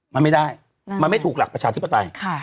มันไม่ได้มันไม่ถูกหลักประชาธิปไตย